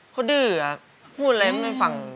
เขาดื้อพูดอะไรไม่ฟัง